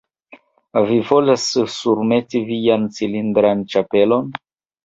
Vi volas surmeti vian cilindran ĉapelon?